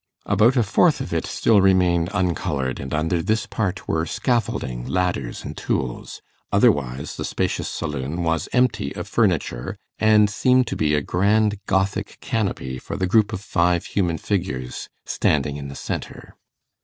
About a fourth of its still remained uncoloured, and under this part were scaffolding, ladders, and tools; otherwise the spacious saloon was empty of furniture, and seemed to be a grand Gothic canopy for the group of five human figures standing in the centre.